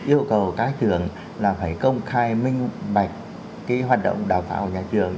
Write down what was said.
yêu cầu các trường là phải công khai minh bạch cái hoạt động đào tạo của nhà trường